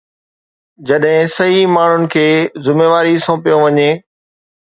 جڏهن صحيح ماڻهن کي ذميواري سونپيو وڃي.